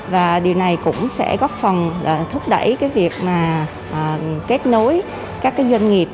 và điều này cũng sẽ góp phần là thúc đẩy cái việc mà kết nối các cái doanh nghiệp